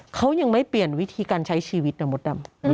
เขายังไม่เปลี่ยนวิธีการใช้ชีวิตนะมดดำ